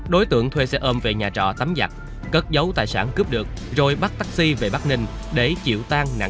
đối tượng thuê xe ôm về nhà trọ tắm giặt cất dấu tài sản cướp được rồi bắt taxi về bắc ninh để chịu tan nạn nhân